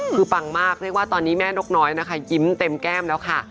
คือปังมากเรียกว่าตอนนี้แม่นกน้อยนะคะยิ้มเต็มแก้มแล้วค่ะ